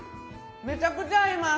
めちゃくちゃ合います！